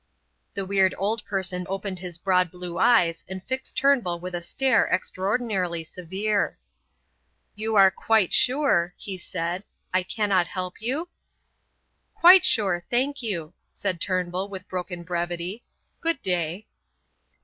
The weird old person opened his broad blue eyes and fixed Turnbull with a stare extraordinarily severe. "You are quite sure," he said, "I cannot help you?" "Quite sure, thank you," said Turnbull with broken brevity. "Good day."